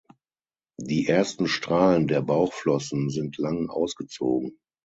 Die ersten Strahlen der Bauchflossen sind lang ausgezogen.